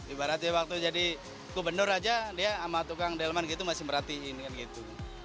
ibaratnya waktu jadi gubernur aja dia sama tukang delman gitu masih merhatiin kan gitu